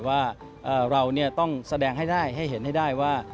ว่าเราต้องแสดงให้ได้ให้เห็นให้ได้ว่า